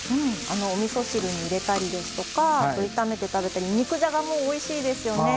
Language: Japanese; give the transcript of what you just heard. おみそ汁に入れたりですとかあと炒めて食べたり肉じゃがもおいしいですよね。